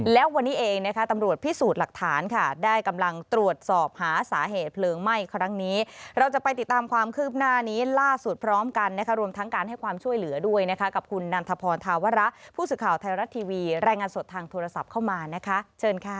และวันนี้เองนะคะตำรวจพิสูจน์หลักฐานค่ะได้กำลังตรวจสอบหาสาเหตุเพลิงไหม้ครั้งนี้เราจะไปติดตามความคืบหน้านี้ล่าสุดพร้อมกันนะคะรวมทั้งการให้ความช่วยเหลือด้วยนะคะกับคุณนันทพรธาวระผู้สื่อข่าวไทยรัฐทีวีรายงานสดทางโทรศัพท์เข้ามานะคะเชิญค่ะ